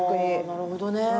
なるほどね。